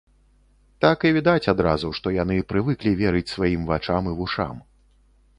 Так і відаць адразу, што яны прывыклі верыць сваім вачам і вушам.